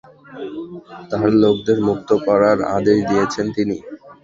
তার লোকেদের মুক্ত করার আদেশ দিয়েছেন তিনি।